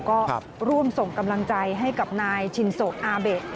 ก็ร่วมส่งกำลังใจให้กับนายชินโซอาเบะ